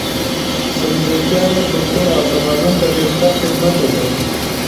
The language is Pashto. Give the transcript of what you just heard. سلجوقیانو کلتور او تمدن ته ډېر ستر خدمت وکړ.